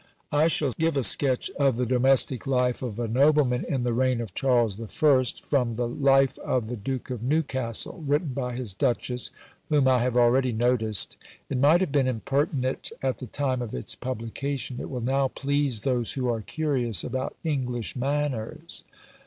I shall give a sketch of the domestic life of a nobleman in the reign of Charles the First, from the "Life of the Duke of Newcastle," written by his Duchess, whom I have already noticed. It might have been impertinent at the time of its publication; it will now please those who are curious about English manners.